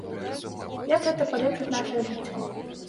Як гэта палепшыць нашае жыццё?